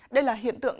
đây là hiện tượng